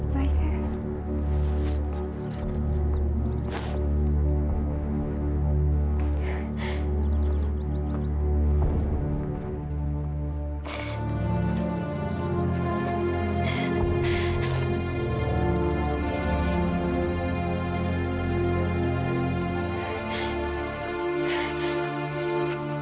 nanti aku akan datang